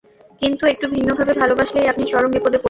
কিন্তু একটু ভিন্নভাবে ভালবাসলেই আপনি চরম বিপদে পড়বেন।